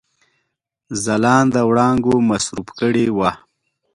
ځلانده وړانګو مصروف کړي وه.